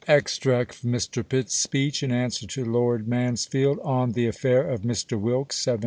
Extract from Mr. Pitt's Speech, in AxVswer to Lord Mansfield, on the Affair of Mr. Wilkes, 1770.